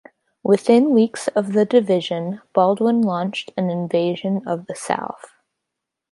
Within weeks of the division Baldwin launched an invasion of the south.